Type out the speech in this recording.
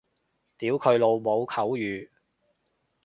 屌佢老母口語